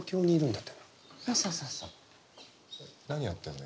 何やってんの？